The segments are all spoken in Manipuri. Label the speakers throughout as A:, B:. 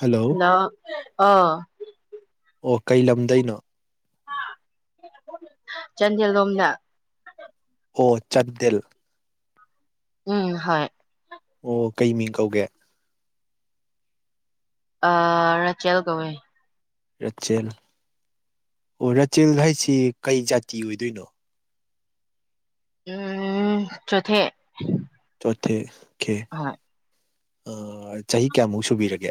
A: ꯍꯜꯂꯣ ꯑꯣ ꯀꯩ ꯂꯝꯗꯩꯅꯣ
B: ꯆꯥꯟꯗꯦꯜ ꯂꯣꯝꯗ
A: ꯑꯣ ꯆꯟꯗꯦꯜ
B: ꯎꯝ ꯍꯣꯏ
A: ꯑꯣ ꯀꯩ ꯃꯤꯡ ꯀꯧꯒꯦ
B: ꯑꯥ ꯔꯥꯆꯦꯜ ꯀꯧꯋꯦ
A: ꯔꯥꯆꯦꯜ ꯑꯣ ꯔꯥꯆꯦꯜ ꯍꯥꯏꯁꯤ ꯀꯩ ꯖꯥꯇꯤ ꯑꯣꯏꯗꯣꯏꯅꯣ
B: ꯎꯝ ꯆꯣꯊꯦ
A: [unintelligible]
B: ꯍꯣꯏ
A: ꯆꯍꯤ ꯀꯌꯥꯃꯨꯛ ꯁꯨꯕꯤꯔꯒꯦ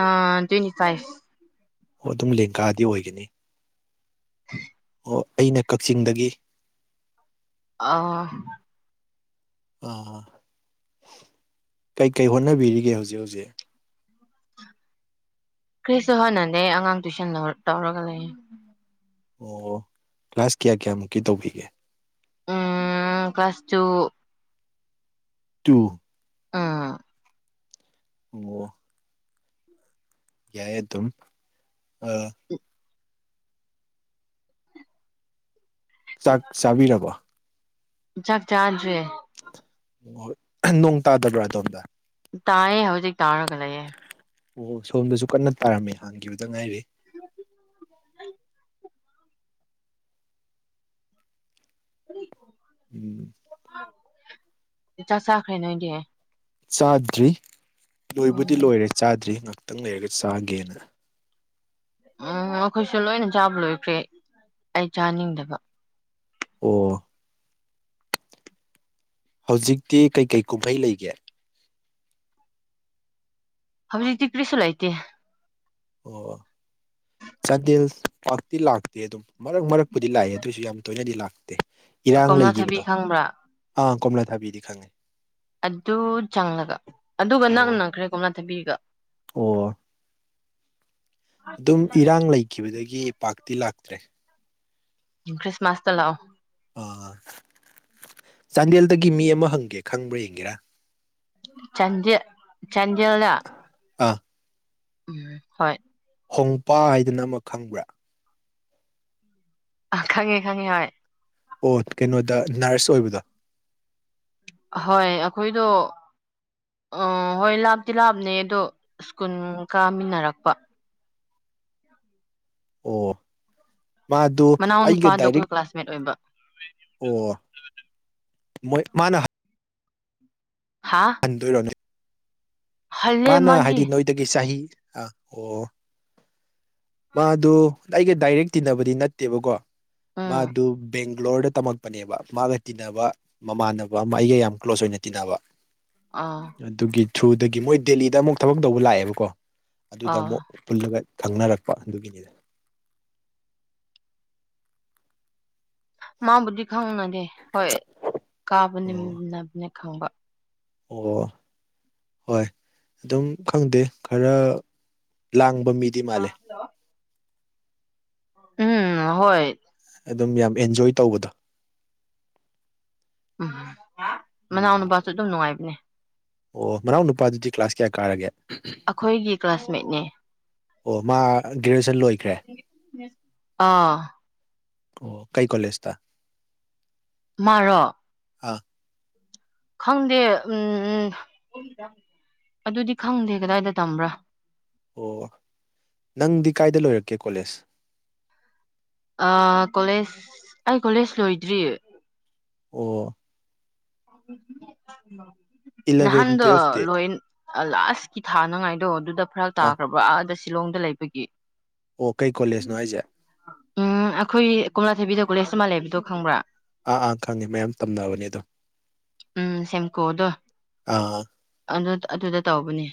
B: ꯑꯥ ꯇ꯭ꯋꯦꯟꯇꯤ ꯐꯥꯏꯐ
A: ꯑꯣ ꯑꯗꯨꯝ ꯂꯦꯡꯒꯥꯗꯤ ꯑꯣꯏꯒꯅꯤ
B: [inaudible]
A: ꯑꯣ ꯑꯩꯅ ꯀꯛꯆꯤꯡꯗꯒꯤ
B: ꯑꯥ
A: ꯑꯥ ꯀꯩꯀꯩ ꯍꯣꯠꯅꯕꯤꯔꯤꯒꯦ ꯍꯧꯖꯤꯛ ꯍꯧꯖꯤꯛ
B: ꯀ꯭ꯔꯤꯁꯨ ꯍꯣꯠꯅꯗꯦ ꯑꯉꯥꯡ ꯇꯨꯏꯁꯟ ꯂꯧ ꯇꯧꯔꯒ ꯂꯩꯌꯦ
A: ꯑꯣ ꯀ꯭ꯂꯥꯁ ꯀꯌꯥ ꯀꯌꯥꯃꯨꯛꯀꯤ ꯇꯧꯕꯤꯒꯦ
B: ꯎꯝ ꯀꯂ꯭ꯥꯁ ꯇꯨ
A: ꯇꯨ
B: ꯑꯥ
A: ꯑꯣ ꯌꯥꯌꯦ ꯑꯗꯨꯝ ꯑꯥ ꯆꯥꯥꯛ ꯆꯥꯕꯤꯔꯕꯣ
B: ꯆꯥꯛ ꯆꯥꯗ꯭ꯔꯤ
A: ꯑꯣ ꯅꯣꯡ ꯇꯥꯗꯕ꯭ꯔꯥ ꯑꯗꯣꯝꯗ
B: ꯇꯥꯏꯌꯦ ꯍꯧꯖꯤꯛ ꯇꯥꯔꯒ ꯂꯩꯌꯦ
A: ꯑꯣ ꯁꯣꯝꯗꯁꯨ ꯀꯟꯅ ꯇꯥꯔꯝꯃꯦ ꯍꯥꯡꯈꯤꯕꯗ ꯉꯥꯏꯔꯤ
B: ꯀꯔꯤ ꯀꯣ
A: ꯎꯝ
B: ꯆꯥꯛ ꯆꯥꯈ꯭ꯔꯦ ꯅꯣꯏꯗꯤ
A: ꯆꯥꯗ꯭ꯔꯤ ꯂꯣꯏꯕꯨꯗꯤ
B: ꯎꯝ
A: ꯂꯣꯏꯔꯦ ꯆꯥꯗ꯭ꯔꯤ ꯉꯥꯛꯇꯪ ꯂꯩꯔꯒ ꯆꯥꯒꯦꯅ
B: ꯎꯝ ꯑꯩꯈꯣꯏꯁꯨ ꯂꯣꯏꯅ ꯆꯥꯕ ꯂꯣꯏꯈ꯭ꯔꯦ ꯑꯩ ꯆꯥꯅꯤꯡꯗꯕ
A: ꯑꯣ ꯍꯧꯖꯤꯛꯇꯤ ꯀꯩꯀꯩ ꯀꯨꯝꯍꯩ ꯂꯩꯒꯦ
B: ꯍꯧꯖꯤꯛꯇꯤ ꯀ꯭ꯔꯤꯁꯨ ꯂꯩꯇꯦ
A: ꯑꯣ ꯆꯥꯟꯗꯦꯜ ꯄꯥꯛꯇꯤ ꯂꯥꯛꯇꯦ ꯑꯗꯨꯝ ꯃꯔꯛ ꯃꯔꯛꯄꯨꯗꯤ ꯂꯥꯛꯑꯦ ꯑꯗꯨꯑꯣꯏꯁꯨ ꯌꯥꯝ ꯇꯣꯏꯅꯗꯤ ꯂꯥꯛꯇꯦ ꯏꯔꯥꯡ
B: ꯀꯣꯝꯂꯥ ꯊꯕꯤ
A: ꯂꯩꯒꯤꯕꯗꯣ
B: ꯈꯪꯕ꯭ꯔꯥ
A: ꯑꯥ ꯀꯣꯝꯂꯥ ꯊꯥꯕꯤꯗꯤ ꯈꯪꯉꯦ
B: ꯑꯗꯨ ꯆꯪꯂꯒ ꯑꯗꯨꯒ
A: ꯑꯣ
B: ꯅꯛꯅꯈ꯭ꯔꯦ ꯀꯣꯝꯂꯥ ꯊꯥꯕꯤꯒ
A: ꯗꯨꯝ ꯏꯔꯥꯡ ꯂꯩꯒꯤꯕꯗꯒꯤ ꯄꯥꯛꯇꯤ ꯂꯥꯛꯇ꯭ꯔꯦ
B: ꯈ꯭ꯔꯤꯁꯃꯥꯁꯇ ꯂꯥꯛꯑꯣ
A: ꯑꯥ ꯆꯥꯟꯗꯦꯜꯗꯒꯤ ꯃꯤ ꯑꯃ ꯍꯪꯒꯦ ꯈꯪꯕ꯭ꯔꯥ ꯌꯦꯡꯒꯦꯔꯥ
B: ꯆꯥꯟꯗꯦ ꯆꯥꯟꯗꯦꯜꯂꯥ
A: ꯑꯥ
B: ꯎꯝ ꯍꯣꯏ
A: ꯍꯣꯡꯄꯥ ꯍꯥꯏꯗꯅ ꯑꯃ ꯈꯪꯕ꯭ꯔꯥ
B: ꯑꯥ ꯈꯪꯉꯦ ꯈꯪꯉꯦ ꯍꯣꯢ
A: ꯑꯣ ꯀꯩꯅꯣꯗ ꯅ꯭ꯔꯁ ꯑꯣꯏꯕꯗꯣ
B: ꯍꯣꯏ ꯑꯥꯈꯣꯏꯗꯣ ꯑꯥ ꯍꯣꯏ ꯂꯥꯞꯇꯤ ꯂꯥꯞꯅꯩꯌꯦ ꯑꯗꯣ ꯁ꯭ꯀꯨꯜ ꯀꯥꯃꯤꯟꯅꯔꯛꯄ
A: ꯑꯣ ꯃꯥꯗꯨ
B: ꯃꯅꯥꯎ
A: ꯑꯩꯒ
B: ꯅꯨꯄꯥꯗꯣ
A: ꯗꯥꯏꯔꯦꯛ
B: ꯑꯩꯈꯣꯏ ꯀ꯭ꯂꯥꯁꯃꯦꯠ ꯑꯣꯏꯕ
A: ꯑꯣ ꯃꯣꯏ ꯃꯥꯅ
B: ꯍꯥ
A: ꯍꯟꯗꯣꯢꯔꯣ
B: ꯍꯜꯂꯦ
A: ꯃꯥꯅ
B: ꯃꯥꯗꯤ
A: ꯍꯥꯏꯗꯤ ꯅꯣꯏꯗꯒꯤ ꯆꯍꯤ ꯑꯥ ꯑꯣ ꯃꯥꯗꯨ ꯑꯩꯒ ꯗꯥꯏꯔꯦꯛ ꯇꯤꯟꯅꯕꯗꯤ ꯅꯠꯇꯦꯕꯀꯣ
B: ꯎꯝ
A: ꯃꯥꯗꯨ ꯕꯦꯡ ꯒ꯭ꯂꯣꯔꯗ ꯇꯝꯃꯛꯄꯅꯦꯕ ꯃꯥꯒ ꯇꯤꯟꯅꯕ ꯃꯃꯥꯟꯅꯕ ꯑꯃ ꯑꯩꯒ ꯌꯥꯝ ꯀ꯭ꯂꯣꯁ ꯑꯣꯏꯅ ꯇꯤꯟꯅꯕ
B: ꯑꯥ
A: ꯑꯗꯨꯒꯤ ꯊ꯭ꯔꯨꯗꯒꯤ ꯃꯣꯏ ꯗꯦꯜꯂꯤꯗ ꯑꯃꯨꯛ ꯊꯕꯛ ꯇꯧꯕ ꯂꯥꯛꯑꯦꯕꯀꯣ ꯑꯗꯨꯗ
B: ꯑꯥ
A: ꯃꯨꯛ ꯄꯨꯜꯂꯒ ꯉꯪꯅꯔꯛ ꯑꯗꯨꯒꯤꯅꯤꯗ
B: ꯃꯥꯕꯨꯗꯤ ꯈꯪꯅꯗꯦ ꯍꯣꯏ ꯀꯥꯕ
A: ꯑꯣ
B: ꯅꯃꯤꯟꯅꯕꯅꯦ ꯈꯪꯕ
A: ꯑꯣ ꯍꯣꯏ ꯗꯨꯝ ꯈꯪꯗꯦ ꯈꯔ ꯂꯥꯡꯕ ꯃꯤꯗꯤ ꯃꯥꯜꯂꯦ
B: ꯎꯝ ꯍꯣꯏ
A: ꯑꯗꯨꯝ ꯌꯥꯝ ꯑꯦꯟꯖꯣꯏ ꯇꯧꯕꯗꯣ
B: ꯎꯝ ꯃꯅꯥꯎ
A: ꯎꯝ
B: ꯅꯨꯄꯥꯁꯨ ꯑꯗꯨꯝ ꯅꯨꯡꯉꯥꯏꯕꯅꯦ
A: ꯑꯣ ꯃꯅꯥꯎ ꯅꯨꯄꯥꯗꯨꯗꯤ ꯀ꯭ꯂꯥꯁ ꯀꯌꯥ ꯀꯥꯔꯒꯦ
B: ꯑꯥꯈꯣꯏꯒꯤ ꯀ꯭ꯂꯥꯁꯃꯦꯠꯅꯦ
A: ꯑꯣ ꯃꯥ ꯒ꯭ꯔꯦꯖꯨꯑꯦꯁꯟ ꯂꯣꯏꯈ꯭ꯔꯦ
B: ꯑꯥ
A: ꯑꯣ ꯀꯩ ꯀꯣꯂꯦꯖ ꯇ
B: ꯃꯥꯔꯣ
A: ꯑꯥ
B: ꯈꯪꯗꯦ ꯎꯝ ꯑꯗꯨꯗꯤ ꯈꯪꯗꯦ ꯀꯗꯥꯏꯗ ꯇꯝꯕ꯭ꯔꯥ
A: ꯑꯣ ꯅꯪꯗꯤ ꯀꯥꯏꯗ ꯂꯣꯏꯔꯛꯀꯦ ꯀꯣꯂꯦꯖ
B: ꯑꯥ ꯀꯣꯂꯦꯖ ꯑꯩ ꯀꯣꯂꯦꯖ ꯂꯣꯏꯗ꯭ꯔꯤ
A: ꯑꯣ
B: [unintelligible]
A: ꯏꯂꯚꯦꯟ
B: ꯅꯍꯥꯟꯗꯣ
A: ꯇꯨꯌꯦꯜꯐꯇꯤ
B: ꯂꯣꯏꯟ ꯂꯥꯁꯀꯤ ꯊꯥꯅꯉꯥꯏꯗꯣ ꯑꯗꯨꯗ ꯐꯔꯛ
A: ꯑꯥ
B: ꯇꯥꯈ꯭ꯔꯕ ꯑꯥꯗ ꯁꯤ ꯁꯤꯂꯣꯡꯗ ꯂꯩꯕꯒꯤ
A: ꯑꯣ ꯀꯩ ꯀꯣꯂꯦꯖꯅꯣ ꯍꯥꯏꯖꯦ
B: ꯎꯝ ꯑꯩꯈꯣꯏ ꯀꯣꯝꯂꯥꯊꯥꯕꯤꯗ ꯀꯣꯂꯦꯖ ꯃꯥ ꯂꯩꯕꯗꯣ ꯈꯪꯕ꯭ꯔꯥ
A: ꯑꯥ ꯑꯥ ꯈꯪꯉꯦ ꯃꯌꯥꯝ ꯇꯝꯅꯕꯅꯦ ꯑꯗꯣ
B: ꯎꯝ ꯁꯦꯝꯀꯣꯗꯣ
A: ꯑꯥ
B: ꯑꯗꯨ ꯑꯗꯨꯗ ꯇꯧꯕꯅꯦ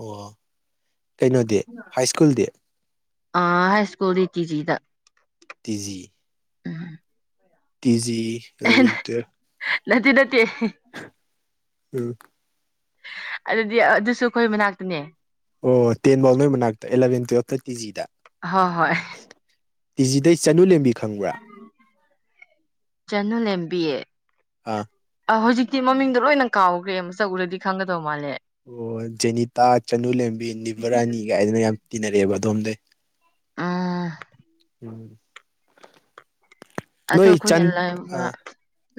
A: ꯑꯣ ꯀꯩꯅꯣꯗꯤ ꯍꯥꯏ ꯁ꯭ꯀꯨꯜꯗꯤ
B: ꯑꯥ ꯍꯥꯏ ꯁ꯭ꯀꯨꯜꯇꯤ ꯇꯤ ꯖꯤ ꯗ
A: T G T G eleven twelve
B: ꯅꯠꯇꯦ ꯅꯠꯇꯦ
A: ꯎꯝ
B: ꯑꯗꯨꯗꯤ ꯑꯗꯨꯁꯨ ꯑꯩꯈꯣꯏ ꯃꯅꯥꯛꯇꯅꯦ
A: ꯑꯣ ꯇꯦꯟꯐꯧ ꯅꯣꯏ ꯃꯅꯥꯛꯇ ꯑꯦꯂꯚꯦꯟ ꯇꯨꯋꯜꯐꯅ ꯇꯤ ꯖꯤ ꯗ
B: ꯍ ꯍꯣꯏ
A: ꯇꯤ ꯖꯤꯗꯩ ꯆꯅꯨ ꯂꯦꯝꯕꯤ ꯈꯪꯕ꯭ꯔꯥ
B: ꯆꯅꯨ ꯂꯦꯝꯕꯤ
A: ꯑꯥ
B: ꯍꯧꯖꯤꯛꯇꯤ ꯃꯃꯤꯡꯣ ꯂꯣꯏꯅ ꯀꯥꯎꯈ꯭ꯔꯦ ꯑꯃ ꯃꯁꯛ ꯎꯨꯔꯗꯤ ꯈꯪꯒꯗꯕ
A: ꯑꯣ ꯖꯦꯅꯤꯇꯥ ꯆꯅꯨ ꯂꯦꯝꯕꯤ ꯅꯤꯚꯔꯥꯅꯤꯒꯥꯏꯗꯅ ꯌꯥꯝ ꯇꯤꯟꯅꯔꯛꯑꯦꯕ ꯑꯗꯣꯝꯗꯩ
B: ꯎꯝ
A: ꯎꯝ
B: ꯑꯗꯣ
A: ꯅꯣꯏ
B: ꯑꯩꯈꯣꯏꯅ
A: ꯆꯟ ꯑꯥ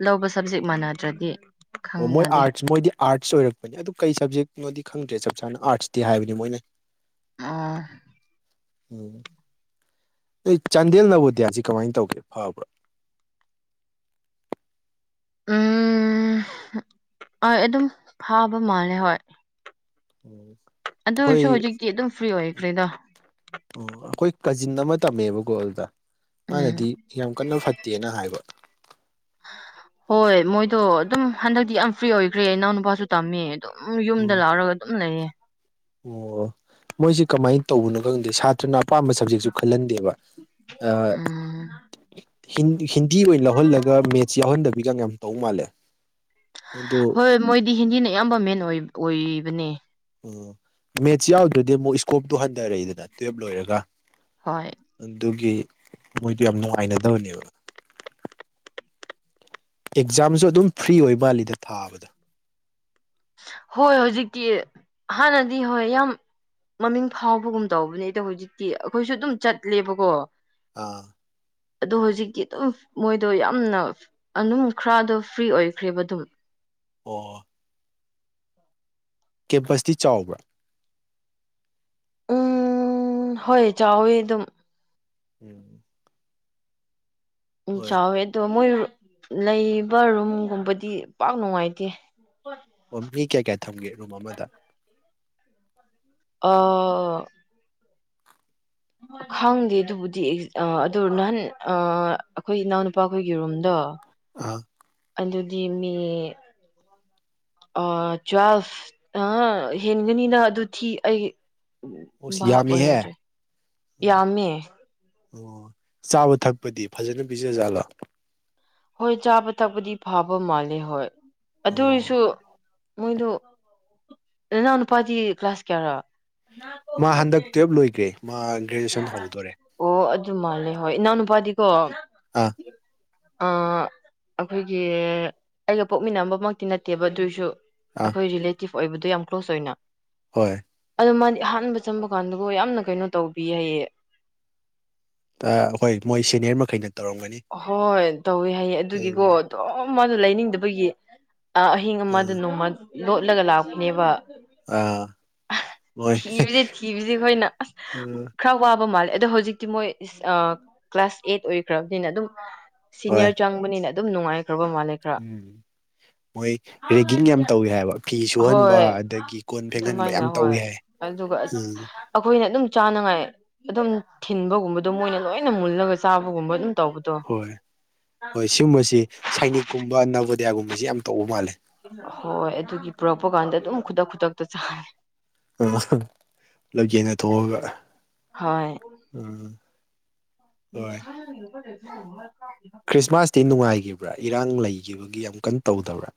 B: ꯂꯧꯕ ꯁꯕꯖꯦꯛ ꯃꯥꯟꯅꯗ꯭ꯔꯗꯤ
A: ꯑꯣ ꯃꯣꯏ
B: ꯈꯪꯅꯗꯦ
A: ꯑꯥꯔꯠꯁ ꯃꯣꯏꯗꯤ ꯑꯥꯔꯠꯁ ꯑꯣꯏꯔꯛꯄꯅꯤ ꯑꯗꯨ ꯀꯩ ꯁꯕꯖꯦꯛ ꯅꯣꯏꯗꯤ ꯈꯪꯗ꯭ꯔꯦ ꯆꯞ ꯆꯥꯅ ꯑꯥꯔꯠꯁꯇꯤ ꯍꯥꯏꯕꯅꯤ ꯃꯣꯏꯅ
B: ꯑꯥ
A: ꯎꯝ ꯑꯩ ꯆꯥꯟꯗꯦꯜ ꯅꯕꯣꯗꯤꯌꯥꯁꯤ ꯀꯃꯥꯏꯅ ꯇꯧꯒꯦ ꯐꯕ꯭ꯔꯥ [inaudible]
B: ꯎꯝ ꯍꯣꯏ ꯑꯗꯨꯝ ꯐꯥꯕ ꯃꯥꯜꯂꯦ ꯍꯣꯏ
A: ꯎꯝ ꯑꯩꯈꯣꯏ
B: ꯑꯗꯨꯔꯁꯨ ꯍꯧꯖꯤꯛꯇꯤ ꯑꯗꯨꯝ ꯐ꯭ꯔꯤ ꯑꯣꯏꯈ꯭ꯔꯦꯗ
A: ꯎꯝ ꯑꯩꯈꯣꯏ ꯀꯖꯤꯟ ꯑꯃ ꯇꯝꯃꯦꯕꯀꯣ ꯑꯗꯨꯗ
B: ꯎꯝ
A: ꯃꯥꯅꯗꯤ ꯌꯥꯝ ꯀꯟꯅ ꯐꯠꯇꯦꯅ ꯍꯥꯏꯕ
B: ꯍꯣꯏ ꯃꯣꯏꯗꯣ ꯑꯗꯨꯝ ꯍꯟꯗꯛꯇꯤ ꯌꯥꯝ ꯐ꯭ꯔꯤ ꯑꯣꯏꯈ꯭ꯔꯦ ꯏꯅꯥꯎꯅꯨꯄꯥꯁꯨ ꯇꯝꯃꯦ ꯑꯗꯨꯝ ꯌꯨꯝꯗ
A: ꯎꯝ
B: ꯂꯥꯛꯔꯒ ꯑꯗꯨꯝ ꯂꯩꯌꯦ
A: ꯑꯣ ꯃꯣꯏꯁꯤ ꯀꯃꯥꯏꯅ ꯇꯧꯕꯅꯣ ꯈꯪꯗꯦ ꯁꯥꯇ꯭ꯔ ꯅꯥ ꯑꯄꯥꯝꯕ ꯁꯕꯖꯦꯛꯁꯨ ꯈꯜꯍꯟꯗꯦꯕ
B: ꯎꯝ
A: ꯍꯤꯟ ꯍꯤꯟꯗꯤ ꯑꯣꯏꯅ ꯂꯧꯍꯜꯂꯒ ꯃꯦꯠꯁ ꯌꯥꯎꯍꯟꯗꯕꯤꯒ ꯌꯥꯝ ꯇꯧ ꯃꯥꯜꯂꯦ ꯑꯗꯨ
B: ꯍꯣꯏ ꯃꯣꯏꯗꯤ ꯍꯤꯟꯗꯤꯅ ꯑꯌꯥꯝꯕ ꯃꯦꯟ ꯑꯣꯏꯕꯅꯦ
A: ꯑꯣ ꯃꯦꯠꯁ ꯌꯥꯎꯗ꯭ꯔꯗꯤ ꯑꯃꯨꯛ ꯏꯁꯀꯣꯞꯇꯣ ꯍꯟꯊꯔꯛꯏꯗꯅ ꯇꯨꯋꯜꯞ ꯂꯣꯏꯔꯒ
B: ꯍꯣꯏ
A: ꯑꯗꯨꯒꯤ ꯃꯣꯏꯗꯨ ꯌꯥꯝ ꯅꯨꯡꯉꯥꯏꯅꯗꯕꯅꯦꯕ ꯑꯦꯛꯖꯥꯝꯁꯨ ꯑꯗꯨꯝ ꯐ꯭ꯔꯤ ꯑꯣꯏ ꯃꯥꯜꯂꯤꯗ ꯊꯥꯕꯗ
B: ꯍꯣꯏ ꯍꯧꯖꯤꯛꯇꯤ ꯍꯥꯟꯅꯗꯤ ꯍꯣꯏ ꯌꯥꯝ ꯃꯃꯤꯡ ꯐꯥꯎꯕꯒꯨꯝ ꯇꯧꯕꯅꯦ ꯑꯩꯗꯣ ꯍꯧꯖꯤꯛꯇꯤ ꯑꯩꯈꯣꯏꯁꯨ ꯑꯗꯨꯝ ꯆꯠꯂꯦꯕꯀꯣ
A: ꯑꯥ
B: ꯑꯗꯣ ꯍꯧꯖꯤꯛꯇꯤ ꯑꯗꯨꯝ ꯃꯣꯏꯗꯣ ꯌꯥꯝꯅ ꯑꯗꯨꯅ ꯈꯔꯗꯣ ꯐ꯭ꯔꯤ ꯑꯣꯏꯈ꯭ꯔꯦꯕ ꯑꯗꯨꯝ
A: ꯑꯣ ꯀꯦꯝꯄꯁꯇꯤ ꯆꯥꯎꯕ꯭ꯔꯥ
B: ꯎꯝ ꯍꯣꯏ ꯆꯥꯎꯋꯤ ꯑꯗꯨꯝ
A: ꯎꯝ
B: ꯎꯝ
A: ꯍꯣꯏ
B: ꯆꯥꯎꯋꯦꯗꯣ ꯃꯣꯏ ꯂꯩꯕ ꯔꯨꯝꯒꯨꯝꯕꯗꯤ ꯄꯥꯛ ꯅꯨꯡꯉꯥꯏꯇꯦ
A: ꯑꯣ ꯃꯤ ꯀꯌꯥ ꯀꯌꯥ ꯊꯝꯒꯦ ꯔꯨꯝ ꯑꯃꯗ
B: ꯑꯥ
A: [inaudible]
B: ꯈꯪꯗꯦ ꯑꯗꯨꯕꯨꯗꯤ ꯑ ꯑꯗꯨ ꯅꯍꯥꯟ ꯑꯥ ꯑꯈꯣꯏ ꯏꯅꯥꯎꯅꯨꯄꯥ ꯈꯣꯏꯒꯤ ꯔꯨꯝꯗꯣ
A: ꯑꯥ
B: ꯑꯗꯨꯗꯤ ꯃꯤ ꯑꯥ ꯇ꯭ꯋꯦꯜꯐ ꯑꯥꯍꯥ ꯍꯦꯟꯒꯅꯤꯅ ꯑꯗꯨ ꯊꯤ ꯑꯩ
A: ꯑꯣ ꯁꯤ
B: ꯚꯥꯞ
A: ꯌꯥꯝꯃꯤꯍꯦ
B: ꯑꯣꯏꯍꯧꯗ꯭ꯔꯦ ꯌꯥꯝꯃꯦ
A: ꯑꯣ ꯆꯥꯕ ꯊꯛꯄꯗꯤ ꯐꯖꯅ ꯄꯤꯖ ꯖꯥꯠꯂꯣ
B: ꯍꯣꯏ ꯆꯥꯕ ꯊꯛꯄꯗꯤ ꯐꯥꯕ ꯃꯥꯜꯂꯦ ꯍꯣꯏ ꯑꯗꯨ ꯑꯣꯏꯁꯨ
A: ꯑꯣ
B: ꯃꯣꯏꯗꯨ ꯅꯅꯥꯎꯅꯨꯄꯥꯗꯤ ꯀ꯭ꯂꯥꯁ ꯀꯌꯥ ꯔꯥ
A: ꯃꯥ ꯍꯟꯗꯛ ꯇꯨꯋꯦ꯭ꯕ ꯂꯣꯏꯒ꯭ꯔꯦ ꯃꯥ ꯒ꯭ꯔꯦꯖꯨꯑꯦꯁꯟ ꯍꯧꯗꯣꯔꯦ
B: ꯑꯣ ꯑꯗꯨ ꯃꯥꯜꯂꯦ ꯍꯣꯏ ꯏꯅꯥꯎꯅꯨꯄꯥꯗꯤ ꯀꯣ
A: ꯑꯥ
B: ꯑꯥ ꯑꯥꯈꯣꯏꯒꯤ ꯑꯩꯒ ꯄꯣꯛꯃꯤꯟꯅꯕꯃꯛꯇꯤ ꯅꯠꯇꯦꯕ ꯑꯗꯨꯏꯁꯨ
A: ꯑꯥ
B: ꯑꯈꯣꯏ ꯔꯤꯂꯦꯇꯤꯞ ꯑꯣꯏꯕꯗꯣ ꯌꯥꯝ ꯀ꯭ꯂꯣꯁ ꯑꯣꯏꯅ
A: ꯍꯣꯏ
B: ꯑꯗꯣ ꯃꯥꯗꯤ ꯑꯍꯥꯟꯕ ꯆꯪꯕ ꯀꯥꯟꯗꯒꯣ ꯌꯥꯝꯅ ꯀꯩꯅꯣ ꯇꯧꯕꯤ ꯍꯥꯏꯌꯦ
A: ꯑꯥ ꯍꯣꯏ ꯃꯣꯏ ꯁꯦꯅꯤꯌꯔ ꯃꯈꯩꯅ ꯇꯧꯔꯝꯒꯅꯤ
B: ꯍꯣꯏ ꯇꯧꯋꯤ ꯍꯥꯏꯌꯦ ꯑꯗꯨꯒꯤꯀꯣ
A: ꯎꯝ
B: ꯑꯗꯨꯝ ꯃꯥꯅ ꯂꯩꯅꯤꯡꯗꯕꯒꯤ ꯑꯥ ꯑꯥꯍꯤꯡ ꯑꯃꯗ
A: ꯎꯝ
B: ꯅꯣꯡꯃ ꯂꯣꯠꯂꯒ ꯂꯥꯛꯄꯅꯦꯕ
A: ꯑꯥ ꯃꯣꯏ
B: ꯊꯤꯕꯖꯤ ꯊꯤꯕꯖꯤ ꯑꯈꯣꯏꯅ ꯑꯁ
A: ꯎꯝ
B: ꯈꯔ ꯋꯥ ꯐꯥꯕ ꯃꯥꯜꯂꯦ ꯑꯗꯣ ꯍꯧꯖꯤꯛꯇꯤ ꯃꯣꯏ ꯀ꯭ꯂꯥꯁ ꯑꯦꯠ ꯑꯣꯏꯈ꯭ꯔꯕꯅꯤꯅ ꯗꯨꯝ
A: ꯍꯣꯏ
B: ꯁꯤꯅꯤꯌꯔ ꯆꯪꯕꯅꯤꯅ ꯑꯗꯨꯝ ꯅꯨꯡꯉꯥꯏ
A: ꯎꯝ ꯃꯣꯏ ꯔꯦꯒꯤꯡ ꯌꯥꯝ ꯇꯧꯌꯤ ꯍꯥꯏꯕ ꯐꯤ ꯁꯨꯍꯟꯕ ꯑꯗꯒꯤ ꯀꯣꯟ ꯐꯦꯡꯍꯟ
B: ꯑꯥꯗꯨꯃꯥꯏꯅ ꯍꯣꯏ ꯑꯗꯨꯒ ꯑꯥꯈꯣꯏ ꯃꯣꯏꯅ ꯑꯗꯨꯝ ꯆꯥꯅꯉꯥꯏ ꯑꯗꯨꯝ ꯊꯤꯟꯕꯒꯨꯝꯕꯗꯣ ꯃꯣꯏꯅ ꯂꯣꯏꯅ ꯃꯨꯜꯂꯒ ꯆꯥꯕꯒꯨꯝꯕ ꯑꯗꯨꯝ ꯇꯧꯕꯗꯣ
A: ꯍꯣꯏ ꯍꯣꯏ ꯁꯤꯒꯨꯝꯕꯁꯤ ꯁꯥꯏꯅꯤꯛꯀꯨꯝꯕ ꯅꯕꯣꯗ꯭ꯌꯥꯒꯨꯝꯕꯖꯤ ꯌꯥꯝ ꯇꯧꯕ ꯃꯥꯜꯂꯦ
B: ꯍꯣꯏ ꯑꯗꯨꯒꯤ ꯄꯨꯔꯛꯄ ꯀꯥꯟꯗ ꯑꯗꯨꯝ [unintelligible]
A: [unintelligible] ꯄꯨꯂꯞ ꯌꯦꯟꯅꯊꯣꯛꯑꯒ
B: ꯍꯣꯏ
A: ꯑꯥ
B: [unintelligible]
A: ꯕ꯭ꯔꯥ ꯏꯔꯥꯡ ꯂꯩꯒꯤꯕꯒꯤ ꯌꯥꯝ ꯀꯟꯅ ꯇꯧꯗꯕ꯭ꯔꯥ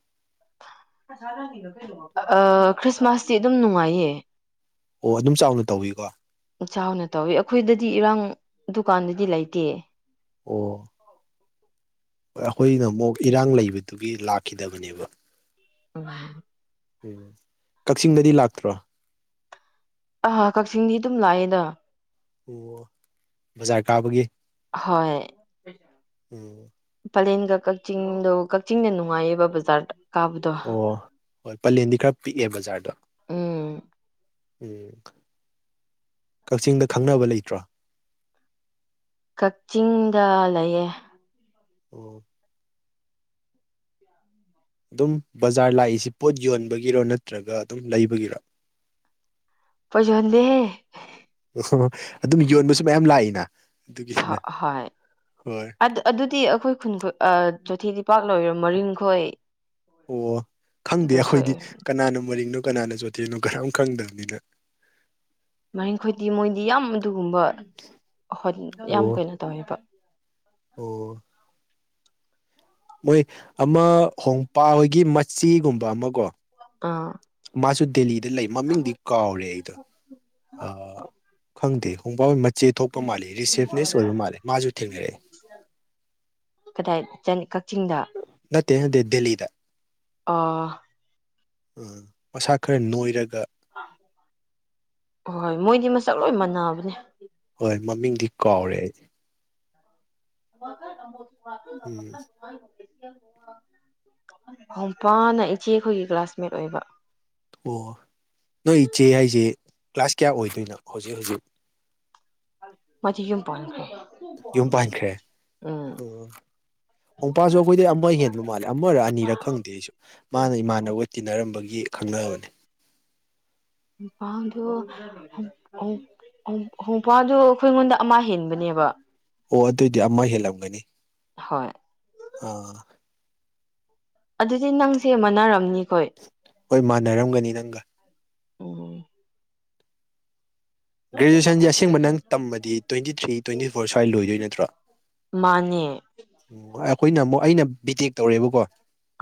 B: ꯈ꯭ꯔꯤꯁꯃꯥꯁꯇꯤ ꯑꯗꯨꯝ ꯅꯨꯡꯉꯥꯏꯌꯦ
A: ꯑꯣ ꯑꯗꯨꯝ ꯆꯥꯎꯅ ꯇꯧꯋꯤꯀꯣ
B: ꯆꯥꯎꯅ ꯇꯧꯋꯤ ꯑꯈꯣꯏꯗꯗꯤ ꯏꯔꯥꯡ ꯑꯗꯨꯀꯥꯟꯗꯗꯤ ꯂꯩꯇꯦ
A: ꯑꯣ ꯑꯈꯣꯏꯅ ꯑꯃꯨꯛ ꯏꯔꯥꯡ ꯂꯩꯕꯗꯨꯒꯤ ꯂꯥꯛꯈꯤꯗꯕꯅꯦꯕ
B: [unintelligible]
A: ꯎꯝ ꯀꯛꯆꯤꯡꯗꯗꯤ ꯂꯥꯛꯇ꯭ꯔꯣ
B: ꯑꯍꯥ ꯀꯛꯆꯤꯡꯗꯤ ꯑꯗꯨꯝ ꯂꯥꯛꯑꯦꯗ
A: ꯑꯣ ꯕꯖꯥꯔ ꯀꯥꯕꯒꯤ
B: ꯍꯣꯏ
A: ꯎꯝ
B: ꯄꯂꯦꯟꯒ ꯀꯛꯆꯤꯡꯗꯣ ꯀꯛꯆꯤꯡꯅ ꯅꯨꯡꯉꯥꯏꯌꯦꯕ ꯕꯖꯥꯔꯗ ꯀꯥꯕꯗꯣ
A: ꯑꯣ ꯍꯣꯏ ꯄꯂꯦꯟꯗꯤ ꯈꯔ ꯄꯤꯛꯑꯦ ꯕꯖꯥꯔꯗꯣ
B: ꯎꯝ
A: ꯎꯝ ꯀꯛꯆꯤꯡꯗ ꯈꯪꯅꯕ ꯂꯩꯇ꯭ꯔꯣ
B: ꯀꯛꯆꯤꯡꯗ ꯂꯩꯌꯦ
A: ꯑꯣ ꯑꯗꯨꯝ ꯕꯖꯥꯔ ꯂꯥꯛꯏꯁꯤ ꯄꯣꯠ ꯌꯣꯟꯕꯒꯤꯔꯣ ꯅꯠꯇ꯭ꯔꯒ ꯑꯗꯨꯝ ꯂꯩꯕꯒꯤꯔꯣ
B: ꯄꯣꯠ ꯌꯣꯟꯗꯦꯍꯦ
A: [unintelligible] ꯑꯗꯨꯝ ꯌꯣꯟꯕꯁꯨ ꯃꯌꯥꯝ ꯂꯥꯛꯏꯅ
B: ꯑꯥꯍꯥ
A: ꯑꯗꯨꯒꯤꯁꯤꯅ
B: ꯍꯣꯏ
A: ꯍꯣꯏ
B: ꯑꯗꯨ ꯑꯗꯨꯗꯤ ꯑꯥꯈꯣꯏ ꯈꯨꯟ ꯈꯣꯏ ꯑꯥ ꯆꯣꯊꯤ ꯗꯤꯄꯥꯛ ꯂꯣꯏꯔꯣ ꯃꯔꯤꯡꯈꯣꯏ
A: ꯑꯣ ꯈꯪꯗꯦ
B: ꯑꯗꯨꯈꯣꯏ
A: ꯑꯩꯈꯣꯏꯗꯤ ꯀꯅꯥꯅꯣ ꯃꯔꯤꯡꯅꯣ ꯀꯅꯥꯅ ꯆꯣꯊꯦꯅꯣ ꯀꯅꯥꯝ ꯈꯪꯗꯕꯅꯤꯅ
B: ꯃꯔꯤꯡꯈꯣꯏꯗꯤ ꯃꯣꯏꯗꯤ ꯌꯥꯝ ꯑꯗꯨꯒꯨꯝꯕ ꯌꯥꯝ
A: ꯑꯣ
B: ꯀꯩꯅꯣ ꯇꯧꯋꯦꯕ
A: ꯑꯣ ꯃꯣꯏ ꯑꯃ ꯍꯣꯡꯄꯥ ꯍꯣꯏꯒꯤ ꯃꯆꯤꯒꯨꯝꯕ ꯑꯃꯀꯣ
B: ꯑꯥ
A: ꯃꯥꯁꯨ ꯗꯦꯜꯂꯤꯗ ꯂꯩ ꯃꯃꯤꯡꯗꯤ ꯀꯥꯎꯔꯦ ꯑꯩꯗꯣ ꯑꯥ ꯈꯪꯗꯦ ꯈꯣꯡꯕꯥ ꯃꯆꯦ ꯊꯣꯛꯄ ꯃꯥꯜꯂꯤ ꯔꯤꯁꯦꯞꯅꯤꯁ ꯑꯣꯏꯕ ꯃꯥꯜꯂꯦ ꯃꯥꯁꯨ ꯊꯦꯡꯅꯔꯛꯑꯦ
B: ꯀꯗꯥꯏ ꯀꯛꯆꯤꯡꯗ
A: ꯗꯦ ꯅꯠꯇꯦ ꯗꯦꯂꯤꯗ
B: ꯑ
A: ꯎ ꯃꯁꯥ ꯈꯔ ꯅꯣꯏꯔꯒ
B: ꯑꯣꯏ ꯃꯣꯏꯗꯤ ꯃꯁꯛ ꯂꯣꯏ ꯃꯥꯟꯅꯕꯅꯦ
A: ꯍꯣꯏ ꯃꯃꯤꯡꯗꯤ ꯀꯥꯎꯔꯦ ꯑꯩ
B: ꯥ [unintelligible]
A: ꯎꯝ
B: ꯈꯝꯄꯥꯅ ꯏꯆꯦꯈꯣꯏꯒꯤ ꯀ꯭ꯂꯥꯁꯃꯦꯠ ꯑꯣꯏꯕ
A: ꯑꯣ ꯅꯣꯏ ꯏꯆꯦ ꯍꯥꯏꯁꯦ ꯀ꯭ꯂꯥꯁ ꯀꯌꯥ ꯑꯣꯏꯗꯣꯏꯅꯣ ꯍꯧꯖꯤꯛ ꯍꯧꯖꯤꯛ
B: ꯃꯗꯤ ꯌꯨꯝ ꯄꯥꯟꯈ꯭ꯔꯦ
A: ꯌꯨꯝ ꯄꯥꯟꯈ꯭ꯔꯦ
B: ꯎꯝ
A: ꯑꯣ ꯑꯣꯡꯄꯥꯁꯨ ꯑꯩꯈꯣꯏꯗꯤ ꯑꯃ ꯍꯦꯟꯕ ꯃꯥꯜꯂꯦ ꯑꯃꯔ ꯑꯅꯤꯔꯥ ꯈꯪꯗꯦ ꯑꯩꯁꯨ ꯃꯥꯅ ꯏꯃꯥꯟꯅꯕ ꯇꯤꯟꯅꯔꯝꯕꯒꯤ ꯈꯪꯅꯔꯕꯅꯤ
B: ꯑꯣꯄꯥꯡꯗꯣ ꯎꯝ ꯍꯣꯡꯐꯥꯗꯨ ꯑꯩꯈꯣꯏ ꯉꯣꯟꯗ ꯑꯃ ꯍꯦꯟꯕꯅꯦꯕ
A: ꯑꯣ ꯑꯗꯨꯏꯗꯤ ꯑꯃ ꯍꯦꯜꯂꯝꯒꯅꯤ
B: ꯍꯣꯏ
A: ꯑꯥ
B: ꯑꯗꯨꯗꯤ ꯅꯪꯁꯦ ꯃꯥꯟꯅꯔꯝꯅꯤꯅ
A: ꯍꯣꯏ ꯃꯥꯟꯅꯔꯝꯒꯅꯤ ꯅꯪꯒ
B: ꯑꯣ
A: ꯒ꯭ꯔꯦꯖꯨꯋꯦꯁꯟꯁ ꯑꯁꯦꯡꯕ ꯅꯪ ꯇꯃꯗꯤ ꯇ꯭ꯋꯦꯟꯇꯤ ꯊ꯭ꯔꯤ ꯇ꯭ꯋꯦꯟꯇꯤ ꯐꯣꯔ ꯁ꯭ꯋꯥꯏ ꯂꯣꯏꯗꯣꯏ ꯅꯠꯇ꯭ꯔꯥ
B: ꯅꯤ
A: ꯑꯩꯈꯣꯏꯅ ꯑꯃꯨꯛ ꯑꯩꯅ ꯕꯤꯇꯦꯛ ꯇꯧꯔꯦꯕꯀꯣ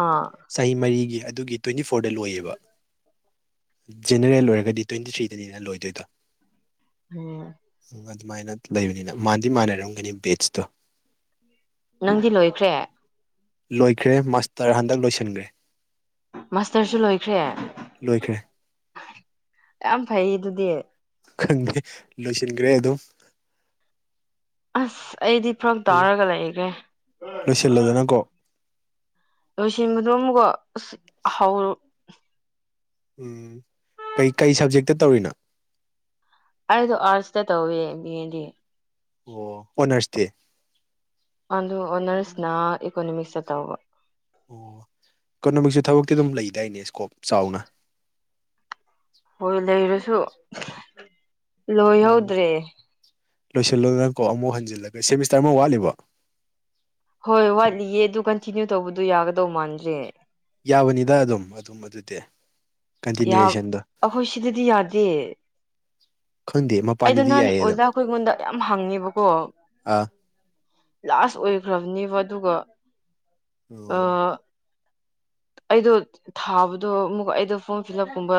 B: ꯑꯥ
A: ꯆꯍꯤ ꯃꯔꯤꯒꯤ ꯑꯗꯨꯒꯤ ꯇ꯭ꯋꯦꯟꯇꯤ ꯐꯣ ꯐꯣꯔꯗ ꯂꯣꯏꯌꯦꯕ ꯖꯦꯅꯔꯦꯜ ꯑꯣꯏꯔꯒꯗꯤ ꯇ꯭ꯋꯦꯟꯇꯤ ꯊ꯭ꯔꯤꯗꯅꯦꯅ ꯂꯣꯏꯗꯣꯏꯗꯣ
B: ꯎꯝ
A: ꯑꯗꯨꯃꯥꯏꯅ ꯂꯩꯕꯅꯤꯅ ꯃꯥꯥꯟꯗꯤ ꯃꯥꯟꯅꯔꯝꯒꯅꯤ ꯕꯦꯁꯇꯣ
B: ꯅꯪꯗꯤ ꯂꯣꯏꯈ꯭ꯔꯦ
A: ꯂꯣꯏꯈ꯭ꯔꯦ ꯃꯥꯁꯇꯔ ꯍꯟꯗꯛ ꯂꯣꯏꯁꯤꯟꯈ꯭ꯔꯦ
B: ꯃꯥꯁꯇꯔꯁꯨ ꯂꯣꯏꯈ꯭ꯔꯦ
A: ꯂꯣꯏꯈ꯭ꯔꯦ
B: ꯌꯥꯝ ꯐꯩ ꯑꯗꯨꯗꯤ
A: ꯈꯪꯗꯦ ꯂꯣꯏꯁꯤꯟꯈ꯭ꯔꯦ ꯑꯗꯨꯝ
B: ꯑꯁ ꯑꯩꯗꯤ ꯐꯔꯛ ꯇꯥꯔꯒ ꯂꯩꯒꯦ
A: ꯂꯣꯏꯁꯤꯜꯂꯣꯗꯅ ꯀꯣꯛ
B: ꯂꯣꯏꯁꯤꯟꯕꯗꯣ ꯑꯃꯨꯀꯣ ꯑꯁ ꯍꯧꯔ
A: ꯎꯝ ꯀꯩ ꯀꯩ ꯁꯕꯖꯦꯛꯇ ꯇꯧꯔꯤꯅꯣ
B: ꯑꯩꯗꯣ ꯑꯥꯔꯠꯁꯇ ꯇꯧꯋꯦ ꯕꯤ ꯑꯦ ꯗꯤ
A: ꯑꯣ ꯑꯣꯅꯔꯁ ꯇꯤ
B: ꯑꯗꯨ ꯑꯣꯅꯔꯁꯅ ꯏꯀꯣꯅꯣꯃꯤꯛꯁꯇ ꯇꯧꯕ
A: ꯑꯣ ꯏꯀꯣꯅꯣꯃꯤꯛꯁꯨ ꯊꯕꯛꯇꯤ ꯑꯗꯨꯝ ꯂꯩꯗꯥꯏꯅꯦ ꯏꯁꯀꯣꯞ ꯆꯥꯎꯅ
B: ꯍꯣꯏ ꯂꯩꯔꯁꯨ ꯂꯣꯏꯍꯧꯗ꯭ꯔꯦ
A: ꯂꯣꯏꯁꯤꯜꯂꯣ ꯅꯪ ꯀꯣ ꯑꯃꯨꯛ ꯍꯟꯖꯤꯜꯂꯒ ꯁꯦꯃꯤꯁꯇꯔ ꯑꯃ ꯋꯥꯠꯂꯤꯕ
B: ꯍꯣꯏ ꯋꯥꯠꯂꯤꯌꯦ ꯑꯗꯨ ꯀꯟꯇꯤꯅ꯭ꯌꯨ ꯇꯧꯕꯗꯨ ꯌꯥꯒꯗꯧ ꯃꯥꯟꯗ꯭ꯔꯦ
A: ꯌꯥꯕꯅꯤꯗ ꯑꯗꯨꯝ ꯑꯗꯨꯝ ꯑꯗꯨꯗꯤ
B: ꯌꯥꯝ
A: ꯀꯟꯇꯤꯅ꯭ꯌꯨꯌꯦꯁꯟꯗꯣ
B: ꯑꯩꯈꯣꯏ ꯁꯤꯗꯗꯤ ꯌꯥꯗꯦ
A: ꯈꯪꯗꯦ
B: ꯑꯩꯗꯣ
A: ꯃꯄꯥꯟꯗꯗꯤ
B: ꯅꯍꯥꯟ
A: ꯌꯥꯏꯌꯦ ꯑꯗꯨꯝ
B: ꯑꯣꯖꯥꯈꯣꯏꯉꯣꯟꯗ ꯌꯥꯝ ꯍꯪꯉꯦꯕꯀꯣ
A: ꯑꯥ
B: ꯂꯥꯁ ꯑꯣꯏꯈ꯭ꯔꯕꯅꯦꯕ ꯑꯗꯨꯒ
A: ꯑꯣ
B: ꯑꯩꯗꯣ ꯊꯥꯕꯗꯣ ꯑꯃꯨꯛ ꯑꯩꯗꯣ ꯐꯣꯔꯝ ꯐꯤꯜ ꯀꯨꯝꯕ